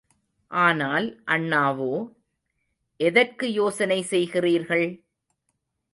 ஆனால் அண்ணாவோ, எதற்கு யோசனை செய்கிறீர்கள்?